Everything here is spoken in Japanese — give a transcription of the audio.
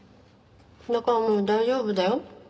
だからもう大丈夫だよ。